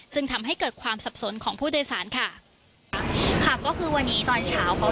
ซึ่งทำให้เกิดความสับสนของผู้โดยสารค่ะค่ะก็คือวันนี้ตอนเช้าเขา